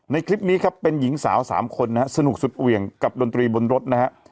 คลิปนี้ครับเป็นหญิงสาวสามคนนะฮะสนุกสุดเหวี่ยงกับดนตรีบนรถนะฮะ